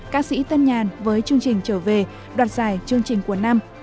ca sĩ tân nhàn với chương trình trở về đoạt giải chương trình của năm